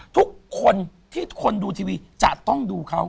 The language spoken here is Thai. ทุกคนที่ทนดูทีวีจะต้องดูเขา